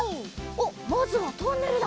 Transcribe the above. おっまずはトンネルだ。